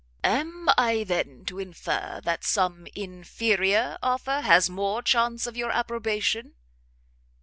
"Am I, then, to infer that some inferior offer has more chance of your approbation?"